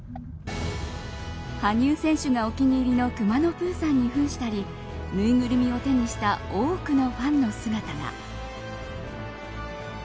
羽生選手がお気に入りのくまのプーさんに扮したりぬいぐるみを手にした多くのファンの姿が。